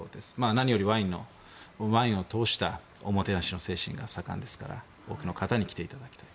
何よりワインを通したおもてなしの精神が盛んですから多くの方に来ていただきたい。